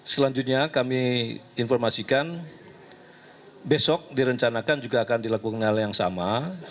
selanjutnya kami informasikan besok direncanakan juga akan dilakukan hal yang sama